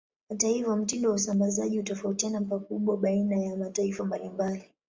Hata hivyo, mtindo wa usambazaji hutofautiana pakubwa baina ya mataifa mbalimbali.